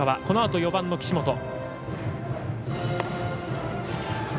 このあと４番の岸本。